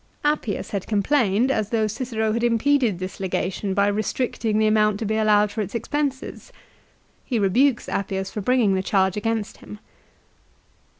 Appius had complained as though Cicero had impeded this legation by restricting the amount to be allowed for its expenses. He rebukes Appius for bringing the charge against him.